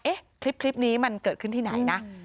คลิปนี้มันเกิดขึ้นที่ไหนนะ